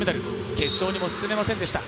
決勝にも進めませんでした。